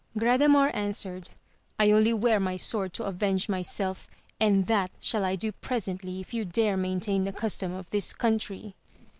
Gradamor answered, I only wear my sword to avenge myself, and that shall I do presently if you dare maintain the custom of this country.